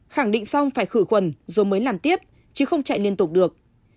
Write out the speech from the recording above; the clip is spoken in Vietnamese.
khẳng định xong phải khử khuẩn rồi mới làm tiếp chứ không chạy liên tục được